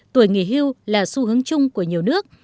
tuổi nghỉ hưu là xu hướng chung của nhiều nước